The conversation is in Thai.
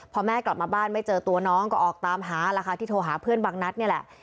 พอแม่กลับมาบ้านไม่เจอตัวน้องก็ออกตามหาล่ะค่ะที่โทรหาเพื่อนบางนัดนี่แหละ